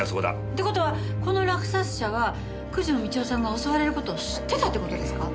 って事はこの落札者は九条美千代さんが襲われる事を知ってたって事ですか？